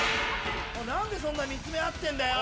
何でそんな見つめ合ってんだよ！